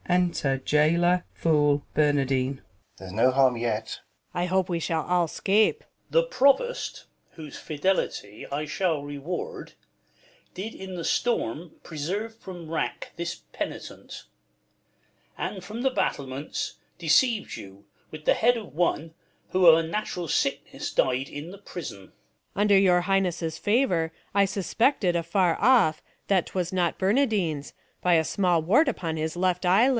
Enter JAILOR, FooL, Bernardine. Balt. There's no harm yet. Luc. I hope we shall all 'scape ! Duke. The Provost, whose fidelity I shall Eeward, did in the storm preserve from wrack This penitent ; and from the battlements Deceived you with the head of one, who of A natural sickness died i' th' prison. Luc. Under your Highness' favour, I suspected. Afar off, that 'twas not Bernardine's, by A small wart upon his left eye lid.